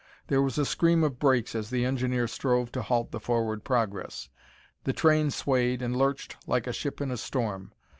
There was a scream of brakes as the engineer strove to halt the forward progress. The train swayed and lurched like a ship in a storm.